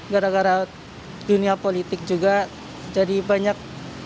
gara gara dunia politik juga jadi banyak